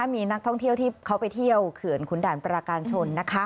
มีนักท่องเที่ยวที่เขาไปเที่ยวเขื่อนขุนด่านปราการชน